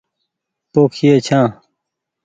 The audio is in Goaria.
پوکئي ڇآن ۔